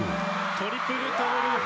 トリプルトーループ。